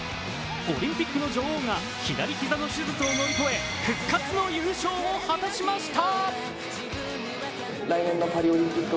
オリンピックの女王が左膝の手術を乗り越え復活の優勝を果たしました。